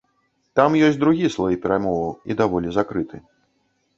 Там ёсць другі слой перамоваў і даволі закрыты.